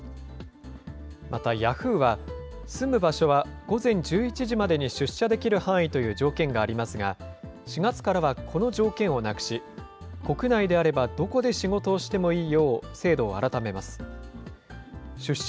またヤフーは、住む場所は午前１１時までに出社できる範囲という条件がありますが、４月からこの条件をなくし、国内であればどこで仕事をしても